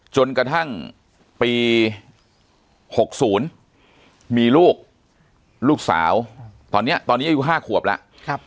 จนกระทั่งปี๖๐มีลูกลูกสาวตอนนี้ตอนนี้อายุ๕ขวบแล้ว